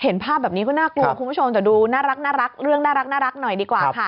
เห็นภาพแบบนี้ก็น่ากลัวคุณผู้ชมแต่ดูน่ารักเรื่องน่ารักหน่อยดีกว่าค่ะ